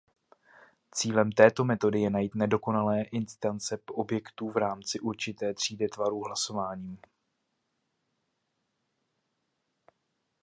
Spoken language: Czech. Cílem této metody je najít nedokonalé instance objektů v rámci určité třídy tvarů hlasováním.